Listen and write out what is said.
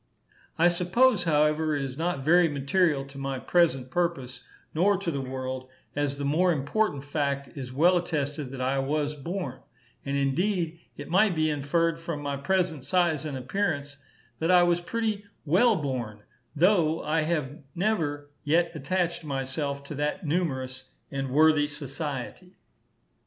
I suppose, however, it is not very material to my present purpose, nor to the world, as the more important fact is well attested, that I was born; and, indeed, it might be inferred, from my present size and appearance, that I was pretty well born, though I have never yet attached myself to that numerous and worthy society.